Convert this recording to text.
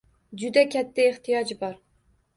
Juda katta ehtiyoj bor